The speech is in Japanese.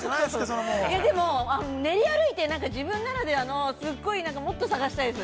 ◆いや、でも、練り歩いて、自分ならではのすごい、もっと探したいです。